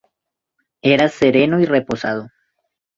Era sereno y reposado.